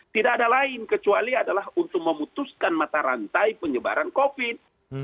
tidak ada lain kecuali adalah untuk memutuskan mata rantai penyebaran covid